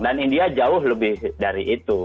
dan india jauh lebih dari itu